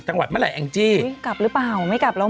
จังหวัดมารรยายแอ่งจีอุ้ยกลับหรือเปล่าไม่กลับแล้วน่ะ